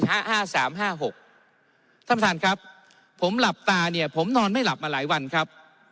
ท่านประธานครับผมหลับตาเนี่ยผมนอนไม่หลับมาหลายวันครับ